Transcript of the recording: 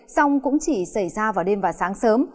sông cũng chỉ xảy ra vào đêm và sáng sớm